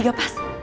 jam tiga pas